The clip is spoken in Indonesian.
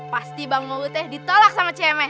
pasti bang ugutnya ditolak sama cme